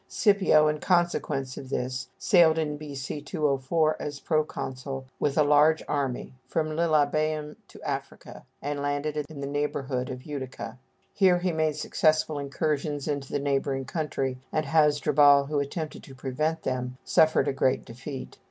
Scipio, in consequence of this, sailed in B.C. 204 as proconsul, with a large army, from Lilybæum to Africa, and landed in the neighborhood of Utica. Here he made successful incursions into the neighboring country, and Hasdrubal, who attempted to prevent them, suffered a great defeat.